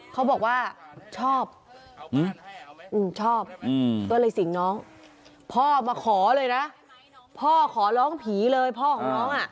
เขาบอกว่าชอบชอบก็เลยสิ่งน้องพ่อมาขอเลยนะพ่อขอร้องผีเลยพ่อของน้องอ่ะ